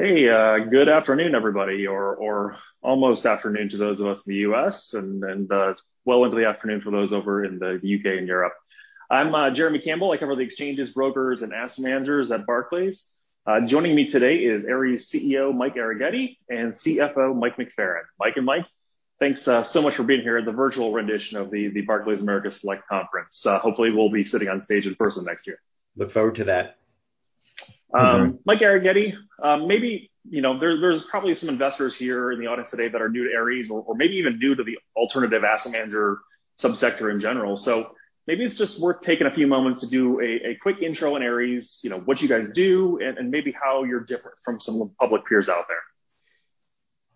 Hey, good afternoon, everybody. Or almost afternoon to those of us in the U.S., and well into the afternoon for those over in the U.K. and Europe. I'm Jeremy Campbell. I cover the exchanges, brokers, and asset managers at Barclays. Joining me today is Ares CEO, Mike Arougheti, and CFO, Mike McFerran. Mike and Mike, thanks so much for being here at the virtual rendition of the Barclays Americas Select Franchise Conference. Hopefully, we'll be sitting on stage in person next year. Look forward to that. Mike Arougheti, there's probably some investors here in the audience today that are new to Ares or maybe even new to the alternative asset manager sub-sector in general. Maybe it's just worth taking a few moments to do a quick intro on Ares, what you guys do, and maybe how you're different from some of the public peers out there.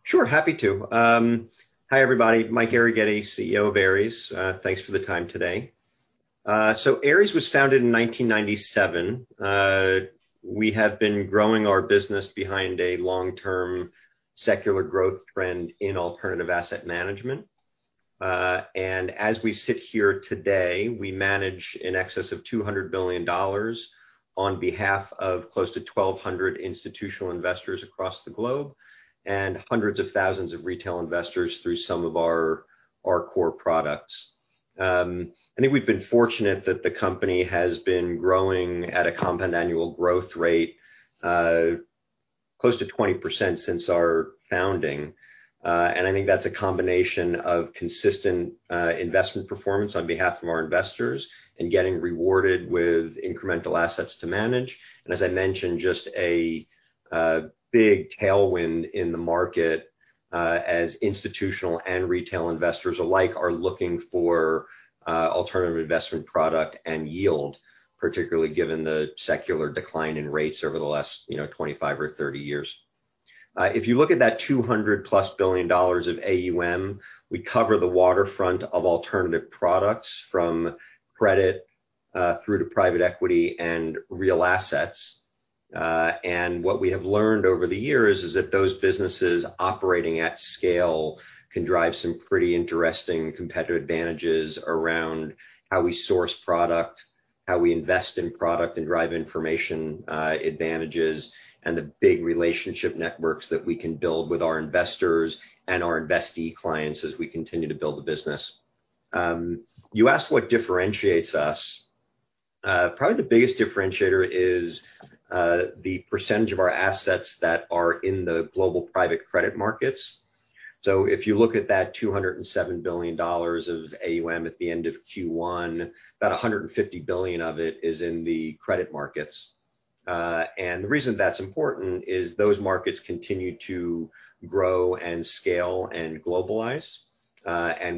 Sure. Happy to. Hi, everybody. Mike Arougheti, CEO of Ares. Thanks for the time today. Ares was founded in 1997. We have been growing our business behind a long-term secular growth trend in alternative asset management. As we sit here today, we manage in excess of $200 billion on behalf of close to 1,200 institutional investors across the globe and hundreds of thousands of retail investors through some of our core products. I think we've been fortunate that the company has been growing at a compound annual growth rate close to 20% since our founding. I think that's a combination of consistent investment performance on behalf of our investors and getting rewarded with incremental assets to manage. As I mentioned, just a big tailwind in the market as institutional and retail investors alike are looking for alternative investment product and yield, particularly given the secular decline in rates over the last 25 or 30 years. If you look at that $200 plus billion of AUM, we cover the waterfront of alternative products from credit through to private equity and real assets. What we have learned over the years is that those businesses operating at scale can drive some pretty interesting competitive advantages around how we source product, how we invest in product and drive information advantages, and the big relationship networks that we can build with our investors and our investee clients as we continue to build the business. You asked what differentiates us. Probably the biggest differentiator is the percentage of our assets that are in the global private credit markets. If you look at that $207 billion of AUM at the end of Q1, about $150 billion of it is in the credit markets. The reason that's important is those markets continue to grow and scale and globalize.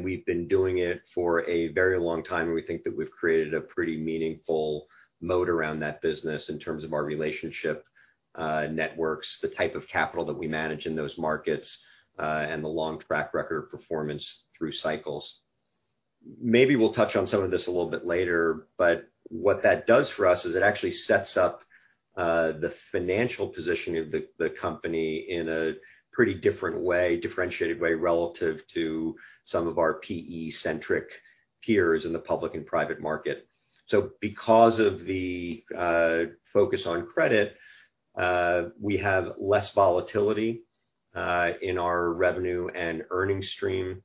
We've been doing it for a very long time. We think that we've created a pretty meaningful moat around that business in terms of our relationship networks, the type of capital that we manage in those markets, and the long track record of performance through cycles. Maybe we'll touch on some of this a little bit later, but what that does for us is it actually sets up the financial position of the company in a pretty different way, differentiated way relative to some of our PE-centric peers in the public and private market. Because of the focus on credit, we have less volatility in our revenue and earnings stream.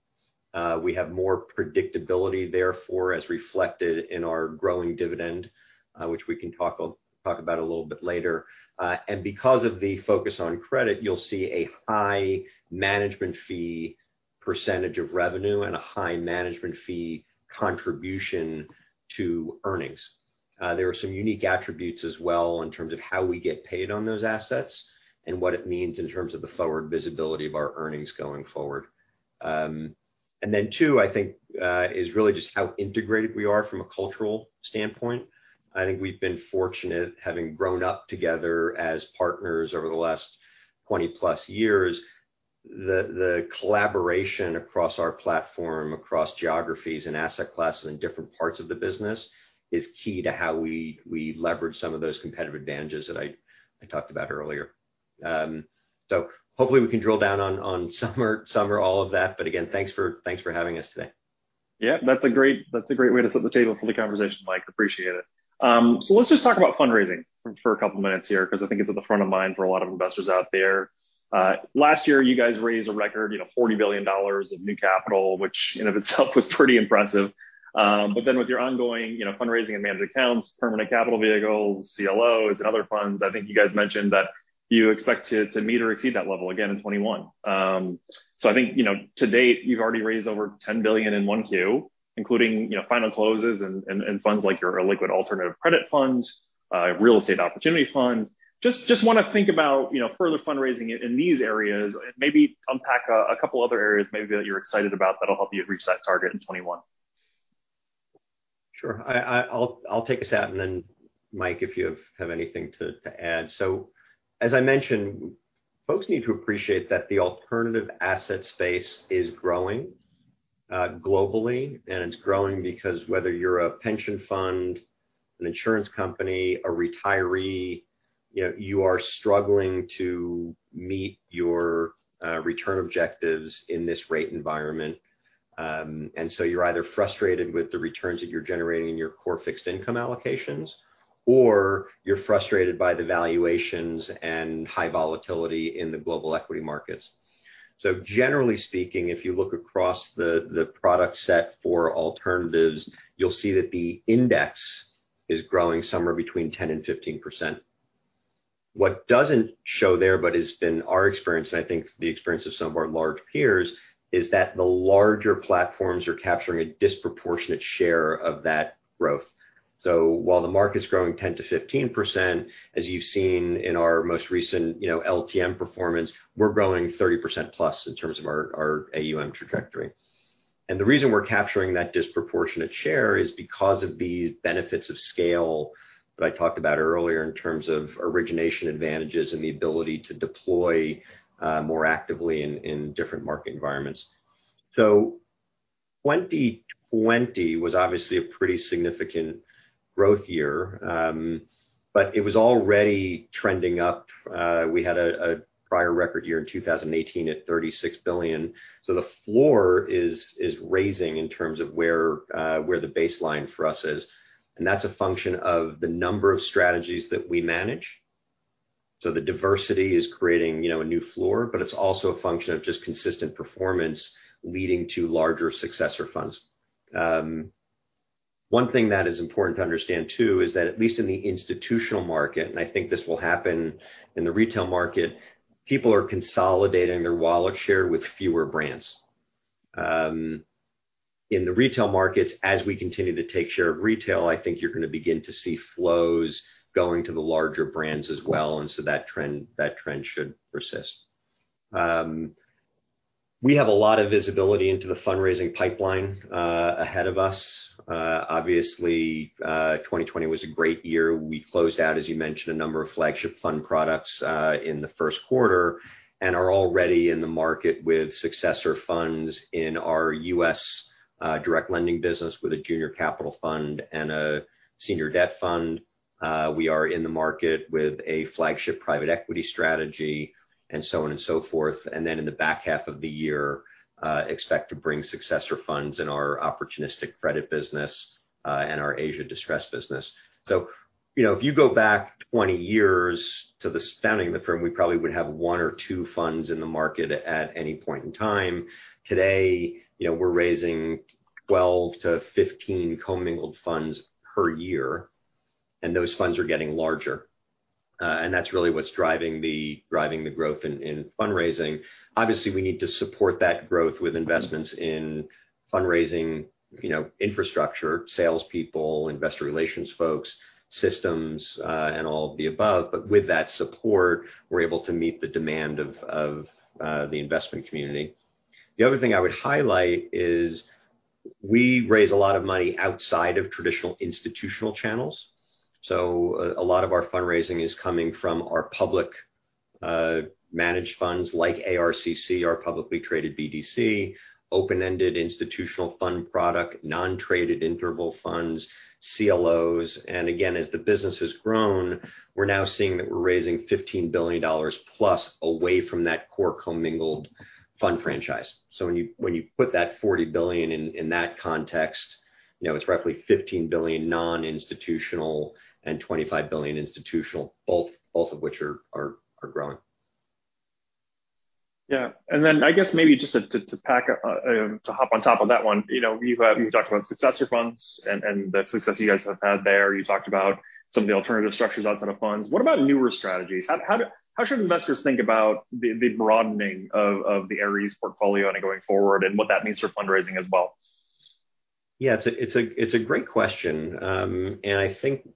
We have more predictability, therefore, as reflected in our growing dividend, which we can talk about a little bit later. Because of the focus on credit, you'll see a high management fee percentage of revenue and a high management fee contribution to earnings. There are some unique attributes as well in terms of how we get paid on those assets and what it means in terms of the forward visibility of our earnings going forward. Two, I think is really just how integrated we are from a cultural standpoint. I think we've been fortunate, having grown up together as partners over the last 20 plus years, the collaboration across our platform, across geographies and asset classes in different parts of the business is key to how we leverage some of those competitive advantages that I talked about earlier. Hopefully we can drill down on some or all of that. Again, thanks for having us today. Yeah, that's a great way to set the table for the conversation, Mike. Appreciate it. Let's just talk about fundraising for a couple of minutes here, because I think it's at the front of mind for a lot of investors out there. Last year, you guys raised a record $40 billion of new capital, which in itself was pretty impressive. With your ongoing fundraising of managed accounts, permanent capital vehicles, CLOs, and other funds, I think you guys mentioned that you expect to meet or exceed that level again in 2021. I think to date, you've already raised over $10 billion in 1Q, including final closes and funds like your illiquid alternative credit funds, real estate opportunity funds. Just want to think about further fundraising in these areas and maybe unpack a couple other areas maybe that you're excited about that'll help you reach that target in 2021. Sure. I'll take a stab and then Mike, if you have anything to add. As I mentioned, folks need to appreciate that the alternative asset space is growing globally, and it's growing because whether you're a pension fund, an insurance company, a retiree, you are struggling to meet your return objectives in this rate environment. You're either frustrated with the returns that you're generating in your core fixed income allocations, or you're frustrated by the valuations and high volatility in the global equity markets. Generally speaking, if you look across the product set for alternatives, you'll see that the index is growing somewhere between 10% and 15%. What doesn't show there, but has been our experience, and I think the experience of some of our large peers, is that the larger platforms are capturing a disproportionate share of that growth. While the market's growing 10%-15%, as you've seen in our most recent LTM performance, we're growing 30%+ in terms of our AUM trajectory. The reason we're capturing that disproportionate share is because of the benefits of scale that I talked about earlier in terms of origination advantages and the ability to deploy more actively in different market environments. 2020 was obviously a pretty significant growth year. It was already trending up. We had a prior record year in 2018 at $36 billion. The floor is raising in terms of where the baseline for us is. That's a function of the number of strategies that we manage. The diversity is creating a new floor, but it's also a function of just consistent performance leading to larger successor funds. One thing that is important to understand, too, is that at least in the institutional market, and I think this will happen in the retail market, people are consolidating their wallet share with fewer brands. In the retail markets, as we continue to take share of retail, I think you're going to begin to see flows going to the larger brands as well. That trend should persist. We have a lot of visibility into the fundraising pipeline ahead of us. Obviously, 2020 was a great year. We closed out, as you mentioned, a number of flagship fund products in the first quarter and are already in the market with successor funds in our U.S. direct lending business with a junior capital fund and a senior debt fund. We are in the market with a flagship private equity strategy and so on and so forth. Then in the back half of the year, expect to bring successor funds in our opportunistic credit business and our Asia distressed business. If you go back 20 years to the founding of the firm, we probably would have one or two funds in the market at any point in time. Today, we're raising 12 to 15 commingled funds per year, and those funds are getting larger. That's really what's driving the growth in fundraising. Obviously, we need to support that growth with investments in fundraising infrastructure, salespeople, investor relations folks, systems, and all of the above. With that support, we're able to meet the demand of the investment community. The other thing I would highlight is we raise a lot of money outside of traditional institutional channels. A lot of our fundraising is coming from our public managed funds like ARCC, our publicly traded BDC, open-ended institutional fund product, non-traded interval funds, CLOs. Again, as the business has grown, we're now seeing that we're raising $15 billion plus away from that core commingled fund franchise. When you put that $40 billion in that context, it's roughly $15 billion non-institutional and $25 billion institutional, both of which are growing. Yeah. I guess maybe just to hop on top of that one, you've talked about successor funds and the success you guys have had there. You talked about some of the alternative structures outside of funds. What about newer strategies? How should investors think about the broadening of the Ares portfolio going forward and what that means for fundraising as well? Yeah, it's a great question. I think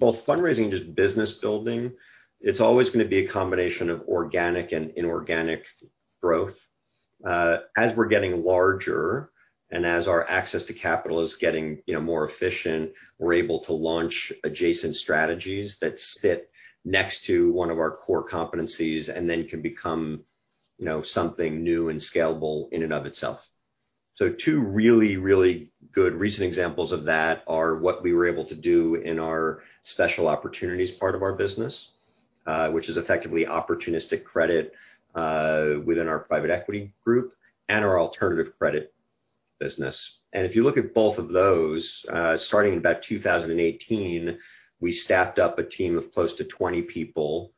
both fundraising and just business building, it's always going to be a combination of organic and inorganic growth. As we're getting larger and as our access to capital is getting more efficient, we're able to launch adjacent strategies that sit next to one of our core competencies and then can become something new and scalable in and of itself. Two really good recent examples of that are what we were able to do in our special opportunities part of our business, which is effectively opportunistic credit within our private equity group and our alternative credit business. If you look at both of those, starting about 2018, we staffed up a team of close to 20 people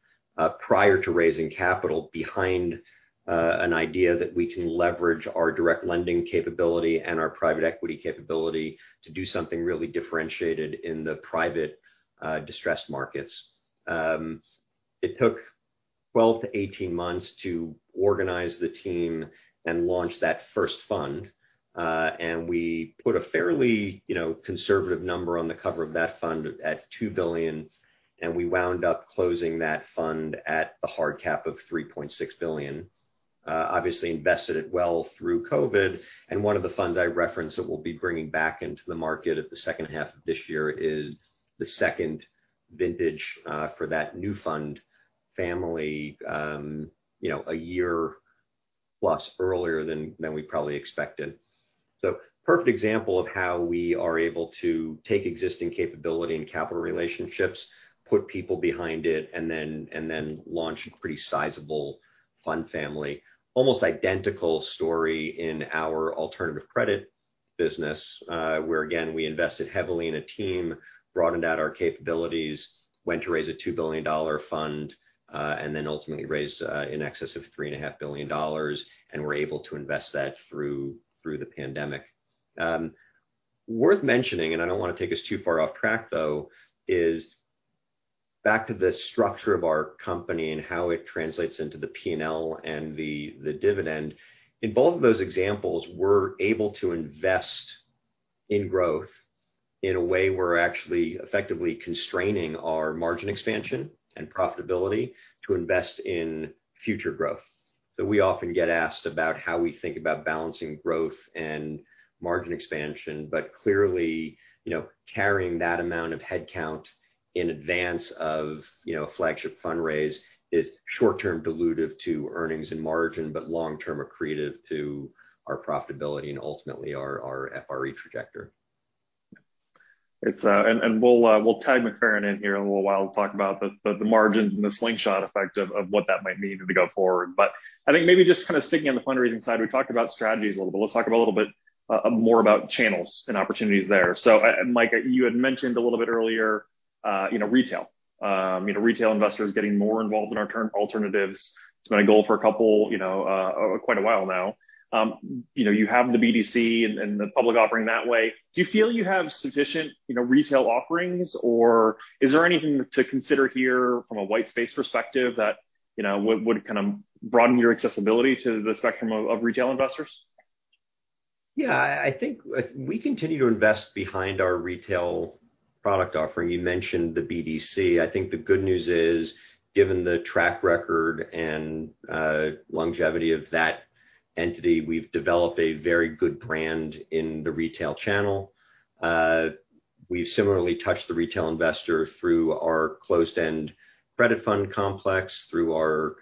prior to raising capital behind an idea that we can leverage our direct lending capability and our private equity capability to do something really differentiated in the private distressed markets. It took 12-18 months to organize the team and launch that first fund. We put a fairly conservative number on the cover of that fund at $2 billion, and we wound up closing that fund at the hard cap of $3.6 billion. Obviously invested it well through COVID, and one of the funds I referenced that we'll be bringing back into the market at the second half of this year is the second vintage for that new fund family a year plus earlier than we probably expected. Perfect example of how we are able to take existing capability and capital relationships, put people behind it, and then launch a pretty sizable fund family. Almost identical story in our alternative credit business, where again, we invested heavily in a team, broadened out our capabilities, went to raise a $2 billion fund, and then ultimately raised in excess of $3.5 billion, and were able to invest that through the pandemic. Worth mentioning, and I don't want to take us too far off track, though, is back to the structure of our company and how it translates into the P&L and the dividend. In both of those examples, we're able to invest in growth in a way we're actually effectively constraining our margin expansion and profitability to invest in future growth. We often get asked about how we think about balancing growth and margin expansion, but clearly, carrying that amount of headcount in advance of flagship fundraise is short-term dilutive to earnings and margin, but long-term accretive to our profitability and ultimately our FRE trajectory. We'll tag Mike McFerran in here in a little while to talk about the margins and the slingshot effect of what that might mean moving forward. I think maybe just sticking on the fundraising side, we talked about strategies a little bit. Let's talk a little bit more about channels and opportunities there. Mike, you had mentioned a little bit earlier, retail. Retail investors getting more involved in alternative. It's been my goal for quite a while now. You have the BDC and the public offering that way. Do you feel you have sufficient retail offerings, or is there anything to consider here from a white space perspective that would broaden your accessibility to the segment of retail investors? Yeah, I think we continue to invest behind our retail product offering. You mentioned the BDC. I think the good news is, given the track record and longevity of that entity, we've developed a very good brand in the retail channel. We similarly touch the retail investor through our closed-end credit fund complex, through our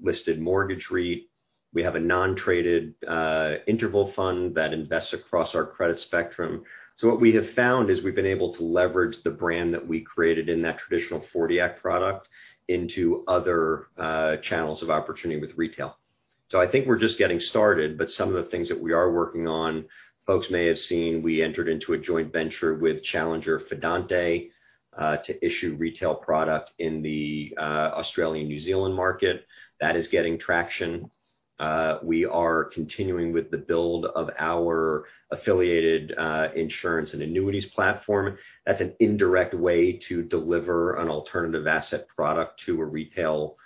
listed mortgage REIT. We have a non-traded interval fund that invests across our credit spectrum. What we have found is we've been able to leverage the brand that we created in that traditional 40-Act product into other channels of opportunity with retail. I think we're just getting started, but some of the things that we are working on, folks may have seen, we entered into a joint venture with Challenger Fidante to issue retail product in the Australia, New Zealand market. That is getting traction. We are continuing with the build of our affiliated insurance and annuities platform. That's an indirect way to deliver an alternative asset product to a retail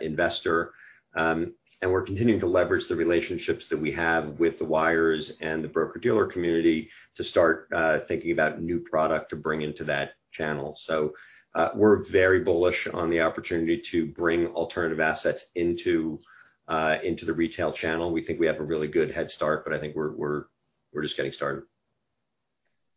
investor. We're continuing to leverage the relationships that we have with the wires and the broker-dealer community to start thinking about new product to bring into that channel. We're very bullish on the opportunity to bring alternative assets into the retail channel. We think we have a really good head start, but I think we're just getting started.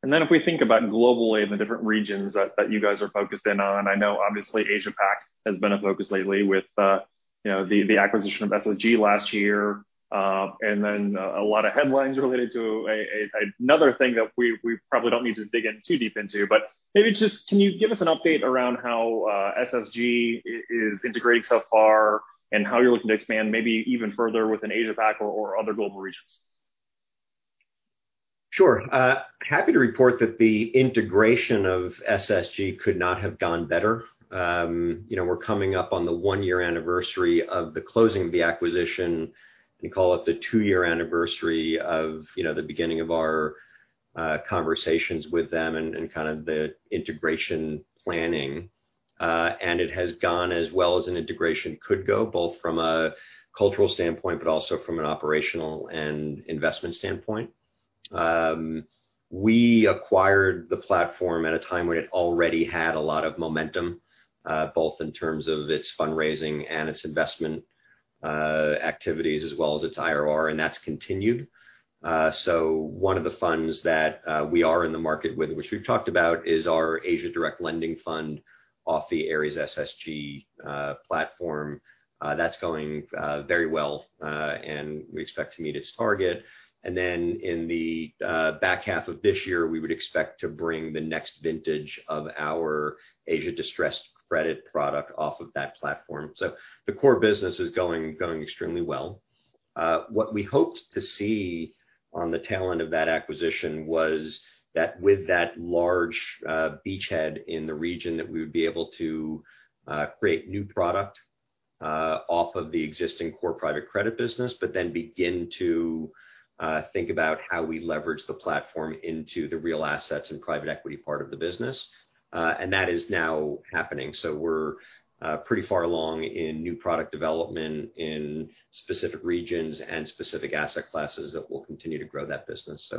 If we think about it globally in the different regions that you guys are focused in on, I know obviously Asia Pac has been a focus lately with the acquisition of SSG last year. A lot of headlines related to another thing that we probably don't need to dig in too deep into, but maybe just can you give us an update around how SSG is integrated so far and how you're looking to expand maybe even further within Asia Pac or other global regions? Sure. Happy to report that the integration of SSG could not have gone better. We're coming up on the one-year anniversary of the closing of the acquisition. We call it the two-year anniversary of the beginning of our conversations with them and kind of the integration planning. It has gone as well as an integration could go, both from a cultural standpoint, but also from an operational and investment standpoint. We acquired the platform at a time when it already had a lot of momentum, both in terms of its fundraising and its investment activities as well as its IRR, and that's continued. One of the funds that we are in the market with, which we've talked about, is our Ares Asia Direct Lending fund off the Ares SSG platform. That's going very well, and we expect to meet its target. Then in the back half of this year, we would expect to bring the next vintage of our Asia Distressed Credit product off of that platform. The core business is going extremely well. What we hoped to see on the tail end of that acquisition was that with that large beachhead in the region, that we would be able to create new product off of the existing core private credit business, but then begin to think about how we leverage the platform into the real assets and private equity part of the business. That is now happening. We're pretty far along in new product development in specific regions and specific asset classes that will continue to grow that business.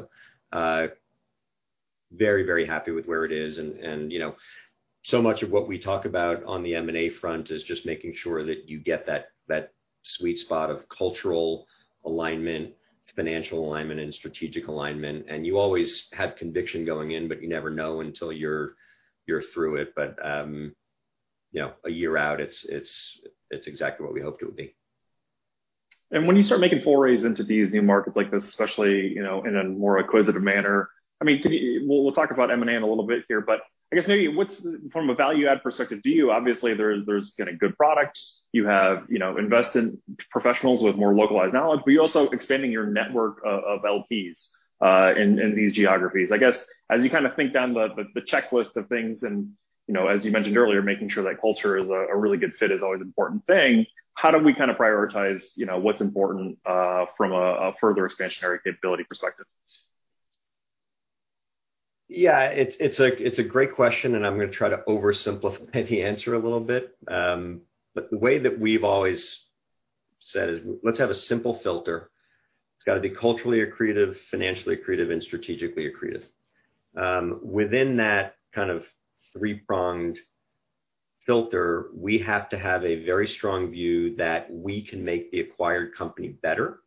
Very happy with where it is. So much of what we talk about on the M&A front is just making sure that you get that sweet spot of cultural alignment, financial alignment, and strategic alignment. You always have conviction going in, but you never know until you're through it. A year out, it's exactly what we hoped it would be. When you start making forays into these new markets like this, especially in a more acquisitive manner, we'll talk about M&A in a little bit here, but I guess, from a value add perspective to you, obviously there's good products. You have investment professionals with more localized knowledge, but you're also expanding your network of LPs in these geographies. I guess, as you think down the checklist of things and, as you mentioned earlier, making sure that culture is a really good fit is always an important thing. How do we prioritize what's important from a further expansionary capability perspective? Yeah. It's a great question. I'm going to try to oversimplify the answer a little bit. The way that we've always said is, let's have a simple filter. It's got to be culturally accretive, financially accretive, and strategically accretive. Within that kind of three-pronged filter, we have to have a very strong view that we can make the acquired company better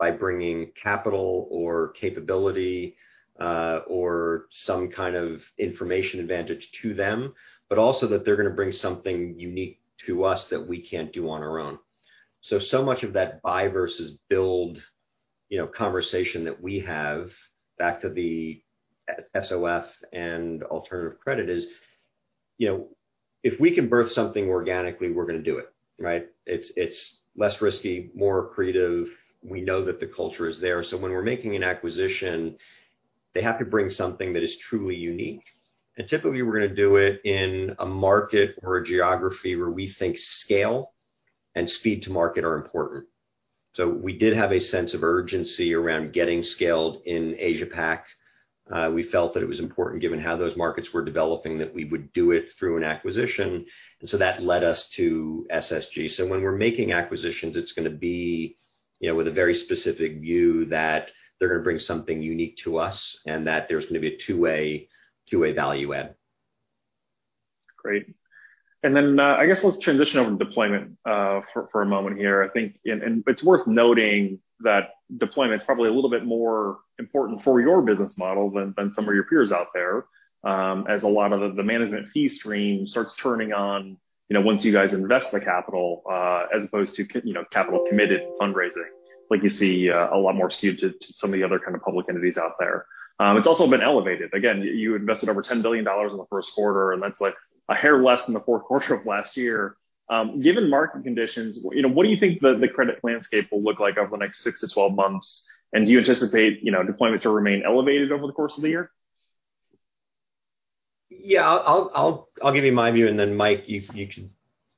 by bringing capital or capability, or some kind of information advantage to them, but also that they're going to bring something unique to us that we can't do on our own. So much of that buy versus build conversation that we have back to the SOF and alternative credit is, if we can birth something organically, we're going to do it, right? It's less risky, more accretive. We know that the culture is there. When we're making an acquisition, they have to bring something that is truly unique. Typically, we're going to do it in a market or a geography where we think scale and speed to market are important. We did have a sense of urgency around getting scaled in Asia-Pac. We felt that it was important given how those markets were developing, that we would do it through an acquisition, and so that led us to SSG. When we're making acquisitions, it's going to be with a very specific view that they're going to bring something unique to us and that there's going to be a two-way value add. Great. Then, I guess let's transition over to deployment for a moment here. It's worth noting that deployment is probably a little bit more important for your business model than some of your peers out there, as a lot of the management fee stream starts turning on once you guys invest the capital, as opposed to capital committed fundraising like you see a lot more suited to some of the other kind of public entities out there. It's also been elevated. Again, you invested over $10 billion in the first quarter, and that's a hair less than the fourth quarter of last year. Given market conditions, what do you think the credit landscape will look like over the next six to 12 months, and do you anticipate deployment to remain elevated over the course of the year? Yeah. I'll give you my view, and then Mike, you can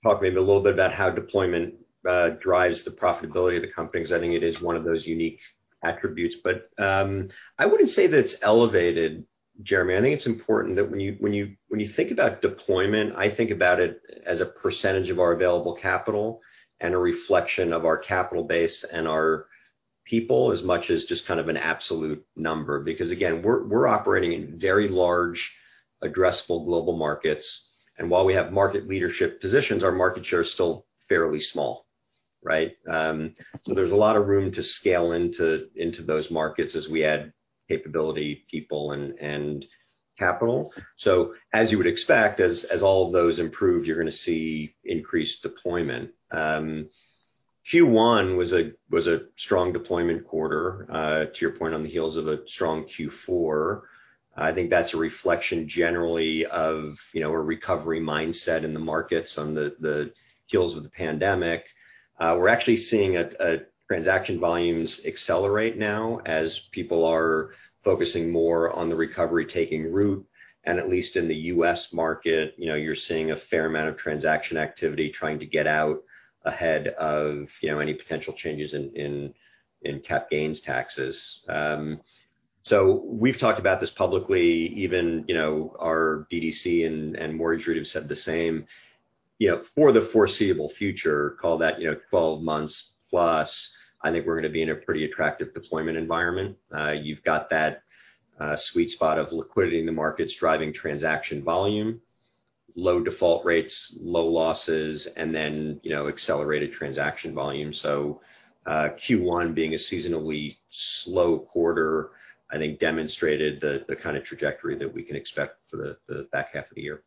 talk maybe a little bit about how deployment drives the profitability of the companies. I think it is one of those unique attributes. I wouldn't say that it's elevated, Jeremy. I think it's important that when you think about deployment, I think about it as a percentage of our available capital and a reflection of our capital base and our people as much as just kind of an absolute number. Again, we're operating in very large addressable global markets, and while we have market leadership positions, our market share is still fairly small, right? There's a lot of room to scale into those markets as we add capability, people, and capital. As you would expect, as all of those improve, you're going to see increased deployment. Q1 was a strong deployment quarter, to your point, on the heels of a strong Q4. I think that's a reflection generally of a recovery mindset in the markets on the heels of the pandemic. We're actually seeing transaction volumes accelerate now as people are focusing more on the recovery taking root. At least in the U.S. market, you're seeing a fair amount of transaction activity trying to get out ahead of any potential changes in capital gains taxes. We've talked about this publicly, even our BDC and mortgage group said the same. For the foreseeable future, call that 12 months plus, I think we're going to be in a pretty attractive deployment environment. You've got that sweet spot of liquidity in the markets driving transaction volume, low default rates, low losses, and then accelerated transaction volume. Q1 being a seasonally slow quarter, I think demonstrated the kind of trajectory that we can expect for the back half of the year.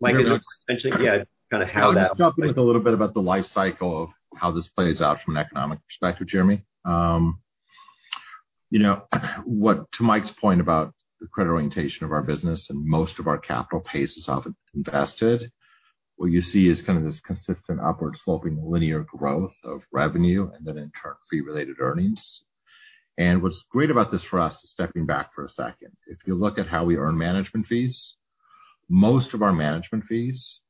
Mike, I guess you could mention, again, kind of how. I'll just talk a little bit about the life cycle of how this plays out from an economic perspective, Jeremy. To Mike's point about the credit orientation of our business and most of our capital pace is often invested, what you see is this consistent upward sloping linear growth of revenue and then in turn fee-related earnings. What's great about this for us is stepping back for a second. If you look at how we earn management fees, most of our management fees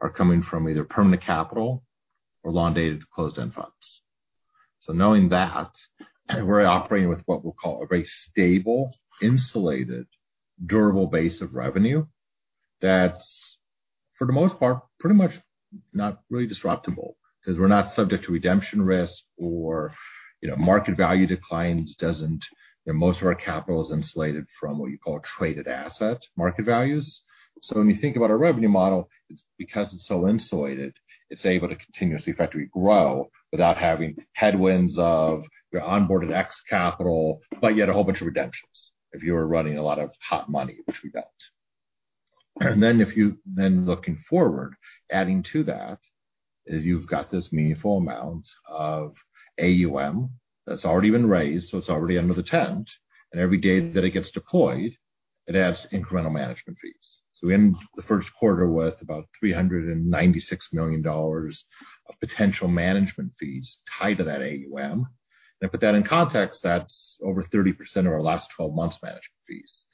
are coming from either permanent capital or long-dated closed-end funds. Knowing that, we're operating with what we'll call a very stable, insulated, durable base of revenue that's for the most part, pretty much not really disruptable because we're not subject to redemption risk or market value declines. Most of our capital is insulated from what you call traded asset market values. When you think about our revenue model, it's because it's so insulated, it's able to continuously effectively grow without having headwinds of your onboarded X capital, but yet a whole bunch of redemptions if you were running a lot of hot money, which we don't. Looking forward, adding to that is you've got this meaningful amount of AUM that's already been raised, so it's already under the tent, and every day that it gets deployed, it adds incremental management fees. We ended the first quarter with about $396 million of potential management fees tied to that AUM. To put that in context, that's over 30% of our last 12 months' management fees.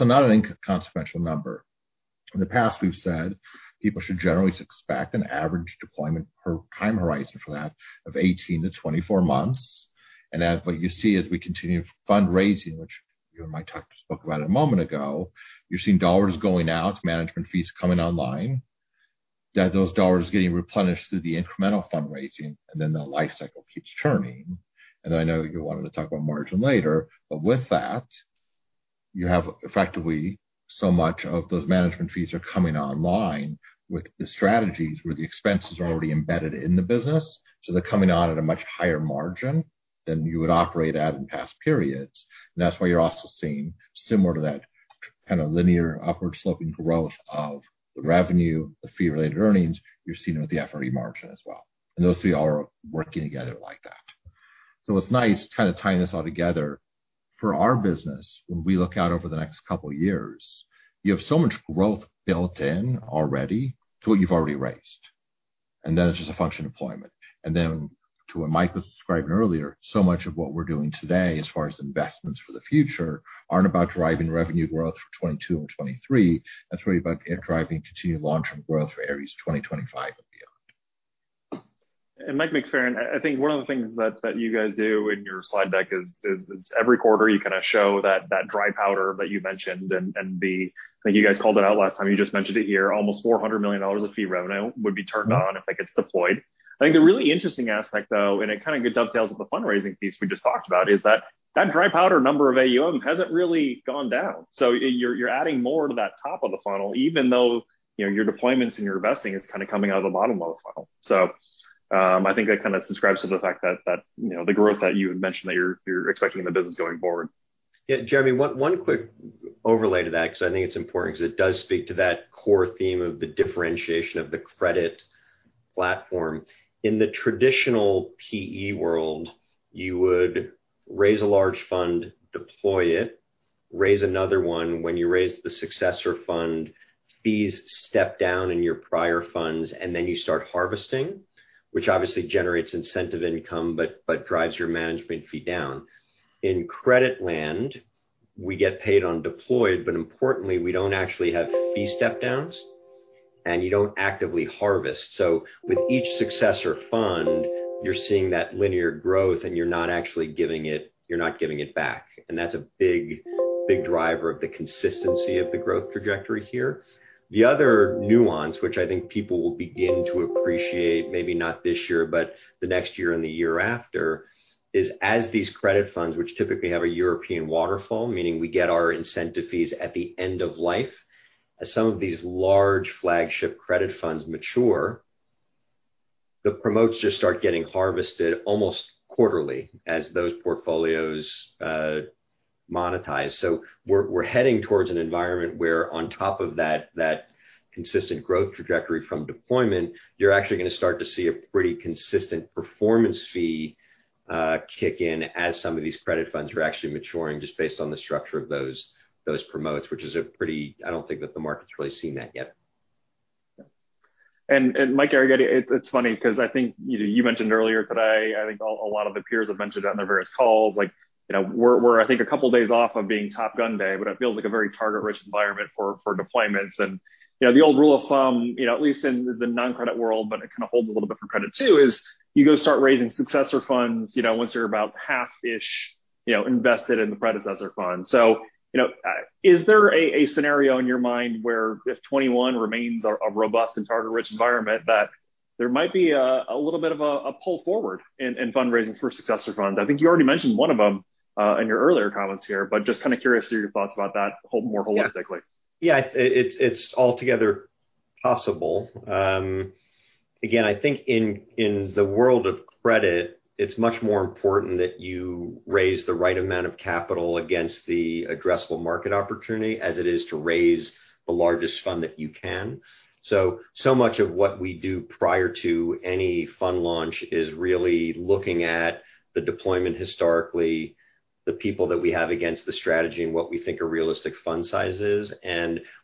Not an inconsequential number. In the past, we've said people should generally expect an average deployment per time horizon for that of 18 to 24 months. As what you see as we continue fundraising, which you and Mike spoke about a moment ago, you're seeing dollars going out to management fees coming online. That those dollars are getting replenished through the incremental fundraising, and then the life cycle keeps churning. I know you wanted to talk about margin later, but with that, you have effectively so much of those management fees are coming online with the strategies where the expense is already embedded in the business, so they're coming on at a much higher margin than you would operate at in past periods. That's why you're also seeing similar to that linear upward-sloping growth of the revenue, the fee-related earnings, you're seeing with the FRE margin as well. Those three are working together like that. What's nice, tying this all together, for our business, when we look out over the next couple of years, you have so much growth built in already to what you've already raised. It's just a function of deployment. To what Mike was describing earlier, so much of what we're doing today as far as investments for the future aren't about driving revenue growth for 2022 and 2023. It's really about driving continued long-term growth for Ares 2025 and beyond. Mike McFerran, I think one of the things that you guys do in your slide deck is every quarter you show that dry powder that you mentioned, and you guys called it out last time, you just mentioned it here, almost $400 million of fee revenue would be turned on if it gets deployed. I think a really interesting aspect, though, and it dovetails with the fundraising piece we just talked about, is that that dry powder number of AUM hasn't really gone down. You're adding more to that top of the funnel, even though your deployments and your investing is coming out of the bottom of the funnel. I think that describes to the fact that the growth that you had mentioned that you're expecting the business going forward. Jeremy, one quick overlay to that because I think it's important because it does speak to that core theme of the differentiation of the credit platform. In the traditional PE world, you would raise a large fund, deploy it, raise another one. When you raise the successor fund, fees step down in your prior funds, then you start harvesting, which obviously generates incentive income but drives your management fee down. In credit land, we get paid on deployed, importantly, we don't actually have fee step downs and you don't actively harvest. With each successor fund, you're seeing that linear growth and you're not giving it back. That's a big driver of the consistency of the growth trajectory here. The other nuance, which I think people will begin to appreciate, maybe not this year, but the next year and the year after, is as these credit funds, which typically have a European waterfall, meaning we get our incentive fees at the end of life. As some of these large flagship credit funds mature, the promotes just start getting harvested almost quarterly as those portfolios monetize. We're heading towards an environment where on top of that consistent growth trajectory from deployment, you're actually going to start to see a pretty consistent performance fee kick in as some of these credit funds are actually maturing just based on the structure of those promotes, which is a pretty I don't think that the market's really seen that yet. Mike, it's funny because I think you mentioned earlier today, I think a lot of the peers have mentioned on their various calls, we're I think a couple of days off of being Top Gun Day, but it feels like a very target-rich environment for deployments. The old rule of thumb, at least in the non-credit world, but it holds a little bit for credit too, is you go start raising successor funds, once you're about half-ish invested in the predecessor fund. Is there a scenario in your mind where if 2021 remains a robust and target-rich environment, that there might be a little bit of a pull forward in fundraising for successor funds? I think you already mentioned one of them in your earlier comments here, but just curious to your thoughts about that more holistically. Yeah. It's altogether possible. Again, I think in the world of credit, it's much more important that you raise the right amount of capital against the addressable market opportunity as it is to raise the largest fund that you can. So much of what we do prior to any fund launch is really looking at the deployment historically, the people that we have against the strategy, and what we think are realistic fund sizes.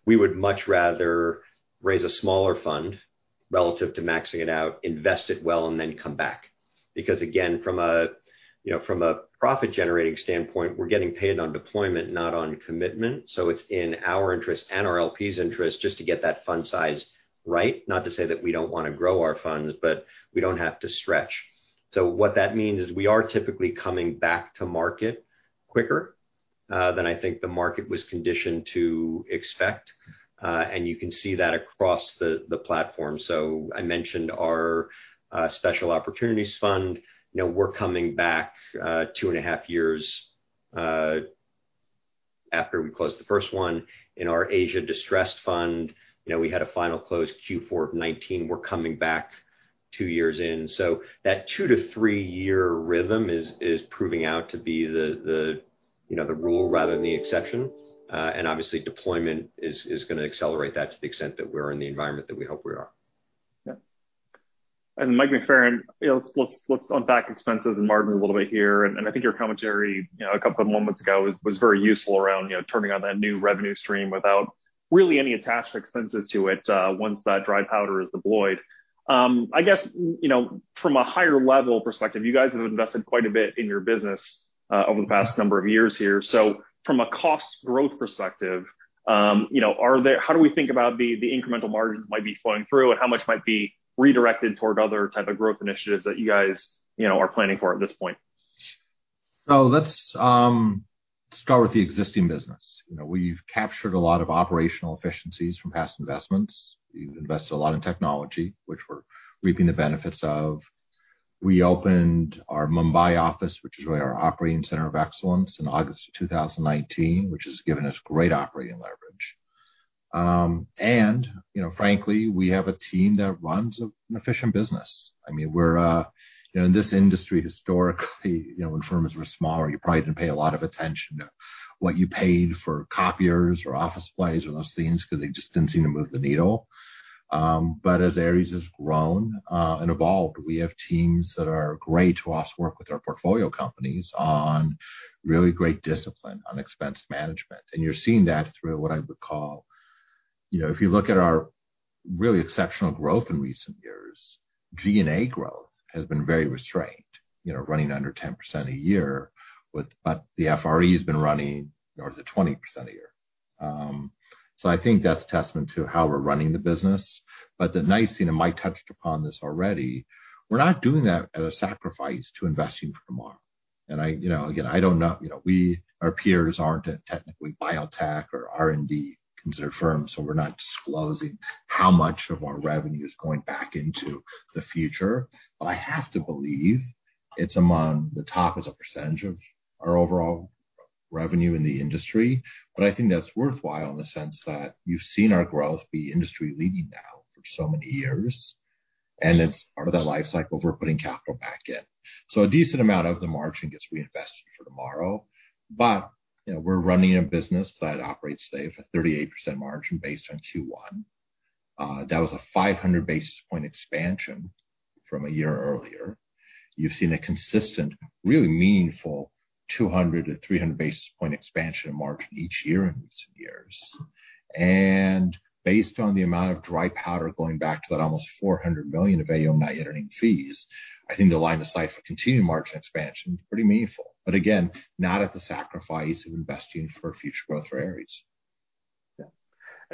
We would much rather raise a smaller fund relative to maxing it out, invest it well, and then come back. Because again, from a profit-generating standpoint, we're getting paid on deployment, not on commitment. It's in our interest and our LP's interest just to get that fund size right. Not to say that we don't want to grow our funds, but we don't have to stretch. What that means is we are typically coming back to market quicker than I think the market was conditioned to expect. You can see that across the platform. I mentioned our special opportunities fund. We're coming back two and a half years after we closed the first one in our Ares Asia Distressed Fund. We had a final close Q4 of 2019. We're coming back two years in. That two to three-year rhythm is proving out to be the rule rather than the exception. Obviously deployment is going to accelerate that to the extent that we're in the environment that we hope we are. Yeah. Mike McFerran, let's unpack expenses and margin a little bit here. I think your commentary a couple of moments ago was very useful around turning on that new revenue stream without really any attached expenses to it once that dry powder is deployed. I guess, from a higher level perspective, you guys have invested quite a bit in your business over the past number of years here. From a cost growth perspective, how do we think about the incremental margins might be flowing through and how much might be redirected toward other type of growth initiatives that you guys are planning for at this point? Let's start with the existing business. We've captured a lot of operational efficiencies from past investments. We've invested a lot in technology, which we're reaping the benefits of. We opened our Mumbai office, which is really our operating center of excellence in August of 2019, which has given us great operating leverage. Frankly, we have a team that runs an efficient business. In this industry, historically, when firms were smaller, you probably didn't pay a lot of attention to what you paid for copiers or office supplies or those things because they just didn't seem to move the needle. As Ares has grown and evolved, we have teams that are great to us, work with our portfolio companies on really great discipline on expense management. If you look at our really exceptional growth in recent years, G&A growth has been very restrained, running under 10% a year. The FRE has been running north of 20% a year. I think that's testament to how we're running the business. The nice thing, and Mike touched upon this already, we're not doing that at a sacrifice to investing for tomorrow. Again, I don't know, our peers aren't technically biotech or R&D considered firms, so we're not disclosing how much of our revenue is going back into the future. I have to believe it's among the top as a percentage of our overall revenue in the industry. I think that's worthwhile in the sense that you've seen our growth be industry leading now for so many years, and it's part of that life cycle for putting capital back in. A decent amount of the margin gets reinvested for tomorrow. We're running a business that operates today for 38% margin based on Q1. That was a 500 basis point expansion from a year earlier. You've seen a consistent, really meaningful 200-300 basis point expansion in margin each year in recent years. Based on the amount of dry powder going back to that almost $400 million of AUM not earning fees, I think the line of sight for continued margin expansion is pretty meaningful. Again, not at the sacrifice of investing for future growth for Ares. Yeah.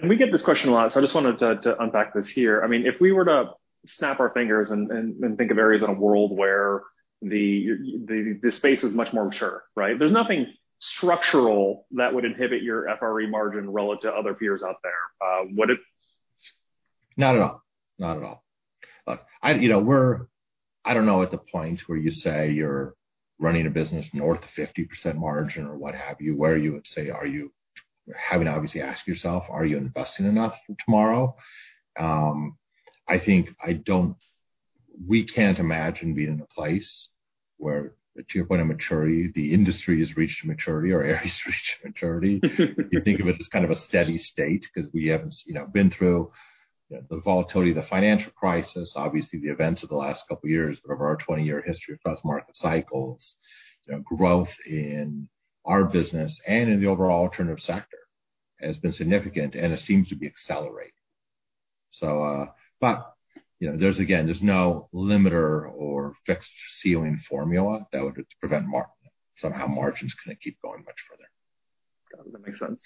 We get this question a lot, so I just wanted to unpack this here. If we were to snap our fingers and think of Ares in a world where the space is much more mature, right? There's nothing structural that would inhibit your FRE margin relative to other peers out there. What if. Not at all. I don't know, at the point where you say you're running a business north of 50% margin or what have you, where you would say, having obviously asked yourself, are you investing enough for tomorrow? We can't imagine being in a place where, to your point of maturity, the industry has reached maturity or Ares has reached maturity. You think of it as kind of a steady state because we haven't been through the volatility of the financial crisis, obviously the events of the last couple of years. Over our 20-year history across market cycles, growth in our business and in the overall alternative sector has been significant, and it seems to be accelerating. Again, there's no limiter or fixed ceiling formula that would prevent somehow margins can keep going much further. Got it. Makes sense.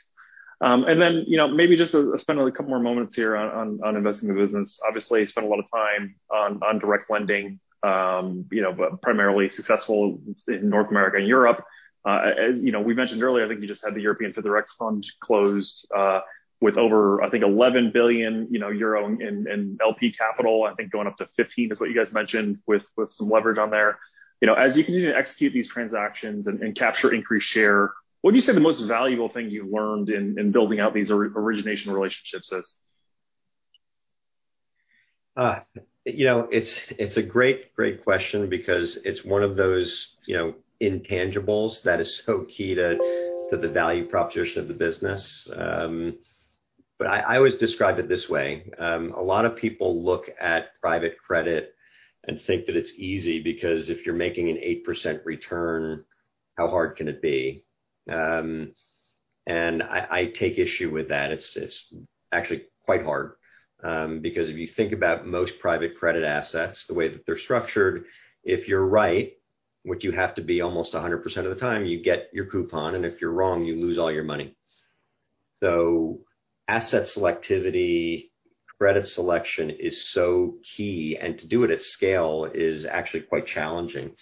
Then maybe just spend a couple more moments here on investing in the business. Obviously, you spend a lot of time on direct lending but primarily successful in North America and Europe. As we mentioned earlier, I think you just had the European direct lending funds close with over, I think, 11 billion in LP capital, I think going up to 15 is what you guys mentioned with some leverage on there. As you continue to execute these transactions and capture increased share, what do you say the most valuable thing you've learned in building out these origination relationships is? It's a great question because it's one of those intangibles that is so key to the value proposition of the business. I always describe it this way. A lot of people look at private credit and think that it's easy because if you're making an 8% return, how hard can it be? I take issue with that. It's actually quite hard. If you think about most private credit assets, the way that they're structured, if you're right, which you have to be almost 100% of the time, you get your coupon, and if you're wrong, you lose all your money. Asset selectivity, credit selection is so key, and to do it at scale is actually quite challenging.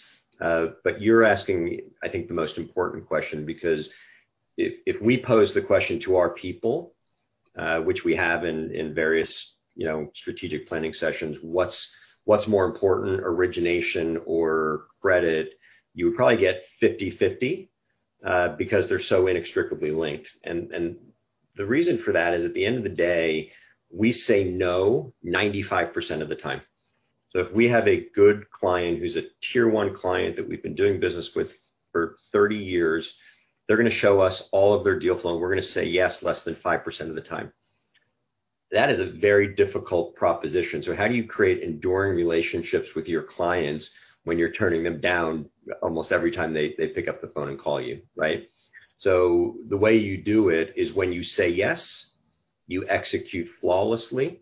You're asking, I think, the most important question, because if we pose the question to our people, which we have in various strategic planning sessions, what's more important, origination or credit? You would probably get 50/50 because they're so inextricably linked. The reason for that is at the end of the day, we say no 95% of the time. If we have a good client who's a Tier 1 client that we've been doing business with for 30 years, they're going to show us all of their deal flow, and we're going to say yes less than 5% of the time. That is a very difficult proposition. How do you create enduring relationships with your clients when you're turning them down almost every time they pick up the phone and call you, right? The way you do it is when you say yes, you execute flawlessly,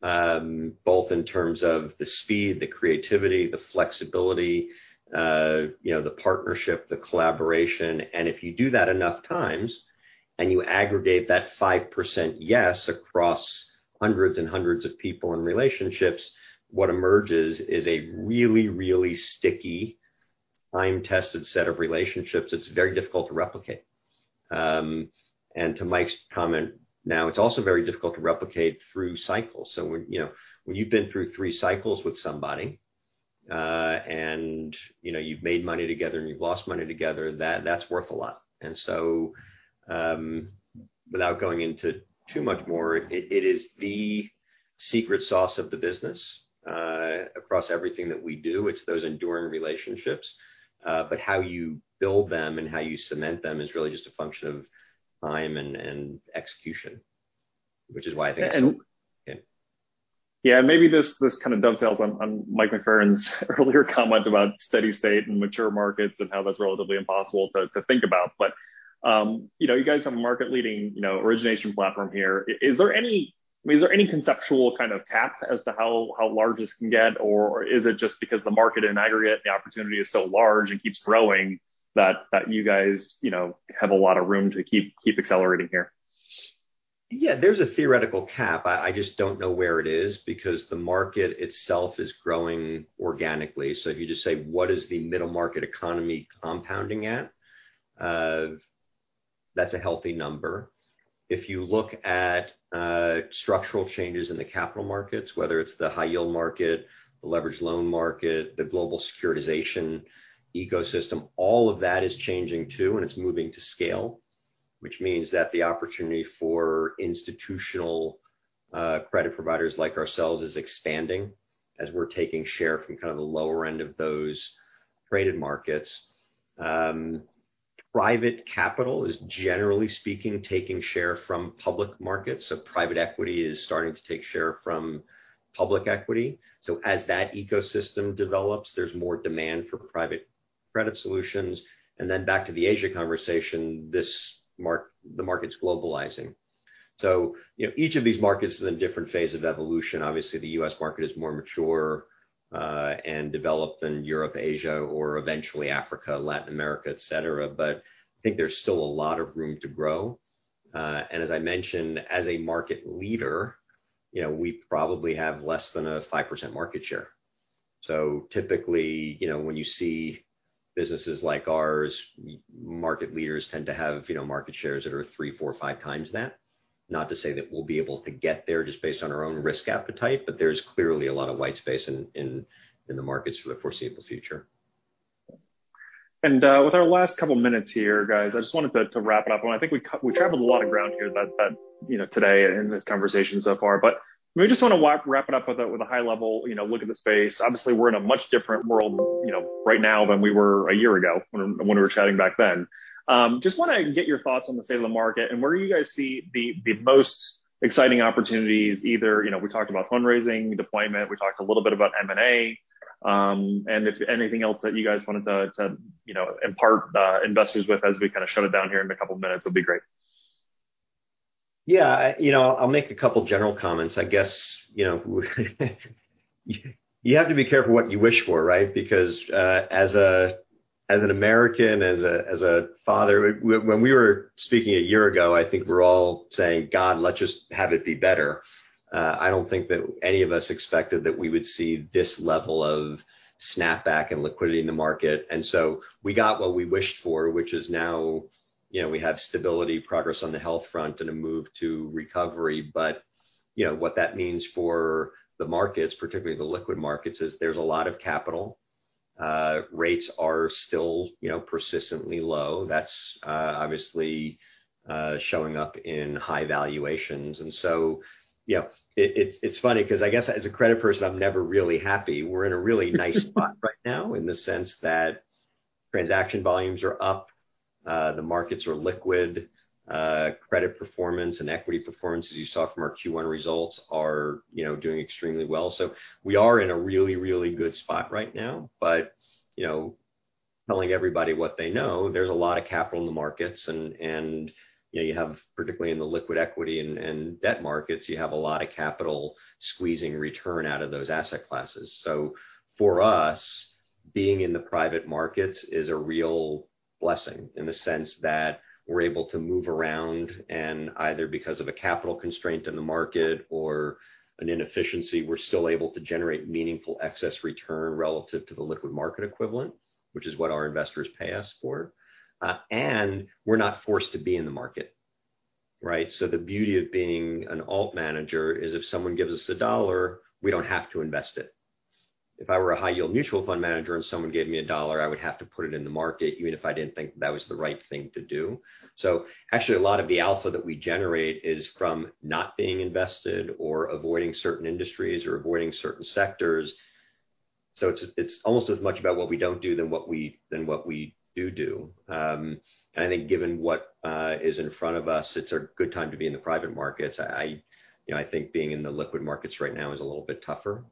both in terms of the speed, the creativity, the flexibility, the partnership, the collaboration. If you do that enough times and you aggregate that 5% yes across hundreds and hundreds of people and relationships, what emerges is a really, really sticky, time-tested set of relationships that's very difficult to replicate. To Mike's comment, now it's also very difficult to replicate through cycles. When you've been through three cycles with somebody, and you've made money together and you've lost money together, that's worth a lot. Without going into too much more, it is the secret sauce of the business across everything that we do. It's those enduring relationships. How you build them and how you cement them is really just a function of time and execution, which is why it takes so long. Yeah, maybe this dovetails on Mike McFerran's earlier comment about steady state and mature markets and how that's relatively impossible to think about. You guys have a market-leading origination platform here. Is there any conceptual kind of cap as to how large this can get? Is it just because the market in aggregate, the opportunity is so large and keeps growing that you guys have a lot of room to keep accelerating here? There's a theoretical cap. I just don't know where it is because the market itself is growing organically. If you just say, what is the middle market economy compounding at? That's a healthy number. If you look at structural changes in the capital markets, whether it's the high-yield market, the leverage loan market, the global securitization ecosystem, all of that is changing too, and it's moving to scale, which means that the opportunity for institutional credit providers like ourselves is expanding as we're taking share from kind of the lower end of those traded markets. Private capital is generally speaking, taking share from public markets. Private equity is starting to take share from public equity. As that ecosystem develops, there's more demand for private credit solutions. Back to the Asia conversation, the market's globalizing. Each of these markets is in a different phase of evolution. Obviously, the U.S. market is more mature and developed than Europe, Asia, or eventually Africa, Latin America, et cetera. I think there's still a lot of room to grow. As I mentioned, as a market leader, we probably have less than a 5% market share. Typically, when you see businesses like ours, market leaders tend to have market shares that are three, four, or five times that. Not to say that we'll be able to get there just based on our own risk appetite, but there's clearly a lot of white space in the markets we foresee in the future. With our last couple of minutes here, guys, I just wanted to wrap up, and I think we covered a lot of ground here today in this conversation so far. We just want to wrap it up with a high-level look at the space. Obviously, we're in a much different world right now than we were a year ago when we were chatting back then. Just want to get your thoughts on the state of the market and where you guys see the most exciting opportunities, either we talked about fundraising, deployment, we talked a little bit about M&A, and if there's anything else that you guys wanted to impart investors with as we kind of shut it down here in a couple of minutes, that'd be great. Yeah. I'll make a couple of general comments. I guess, you have to be careful what you wish for, right? As an American, as a father, when we were speaking a year ago, I think we were all saying, "God, let's just have it be better." I don't think that any of us expected that we would see this level of snapback and liquidity in the market. We got what we wished for, which is now we have stability, progress on the health front, and a move to recovery. What that means for the markets, particularly the liquid markets, is there's a lot of capital. Rates are still persistently low. That's obviously showing up in high valuations. It's funny because I guess as a credit person, I'm never really happy. We're in a really nice spot right now in the sense that transaction volumes are up. The markets are liquid. Credit performance and equity performance, as you saw from our Q1 results, are doing extremely well. We are in a really good spot right now. Telling everybody what they know, there's a lot of capital in the markets, and particularly in the liquid equity and debt markets, you have a lot of capital squeezing return out of those asset classes. For us, being in the private markets is a real blessing in the sense that we're able to move around and either because of a capital constraint in the market or an inefficiency, we're still able to generate meaningful excess return relative to the liquid market equivalent, which is what our investors pay us for. We're not forced to be in the market, right? The beauty of being an alt manager is if someone gives us a dollar, we don't have to invest it. If I were a high-yield mutual fund manager and someone gave me a dollar, I would have to put it in the market, even if I didn't think that was the right thing to do. Actually, a lot of the alpha that we generate is from not being invested or avoiding certain industries or avoiding certain sectors. It's almost as much about what we don't do than what we do do. I think given what is in front of us, it's a good time to be in the private markets. I think being in the liquid markets right now is a little bit tougher.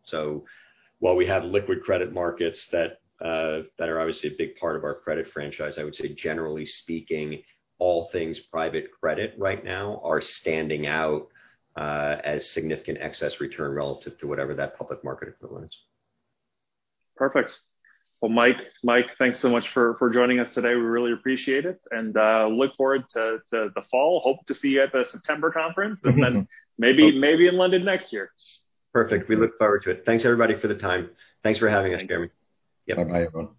While we have liquid credit markets that are obviously a big part of our credit franchise, I would say generally speaking, all things private credit right now are standing out as significant excess return relative to whatever that public market equivalent is. Perfect. Well, Mike, thanks so much for joining us today. We really appreciate it, and look forward to the fall. Hope to see you at the September conference, and then maybe in London next year. Perfect. We look forward to it. Thanks, everybody, for the time. Thanks for having us, Jeremy. Yeah, bye, everyone.